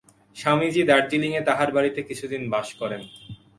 স্বামীজী দার্জিলিঙে তাঁহার বাড়ীতে কিছুদিন বাস করেন।